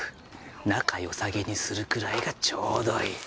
仲よさげにするくらいがちょうどいい。